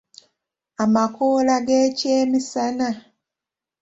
Amakola g’ekyemisana.